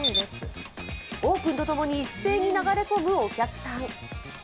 オープンとともに一斉に流れ込むお客さん。